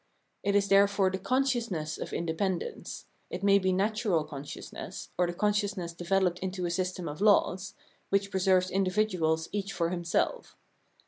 It is therefore the consciousness of independence — it may be natural consciousness, or the consciousness developed into a system of laws — which preserves indi viduals each for himself.